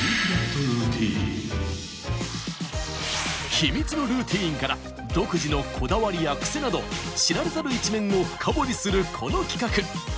秘密のルーティンから独自のこだわりや癖など知られざる一面を深掘りする、この企画！